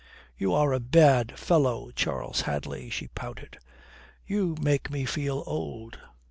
"You are a bad fellow, Charles Hadley," she pouted. "You make me feel old."